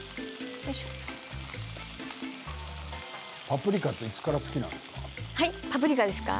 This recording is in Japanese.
パプリカっていつから好きなんですか。